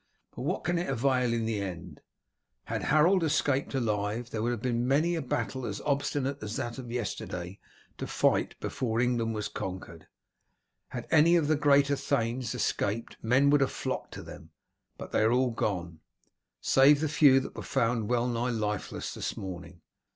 But what can it avail in the end? Had Harold escaped alive there would have been many a battle as obstinate as that of yesterday to fight before England was conquered. Had any of the greater thanes escaped men would have flocked to them, but they are all gone, save the few that were found well nigh lifeless this morning.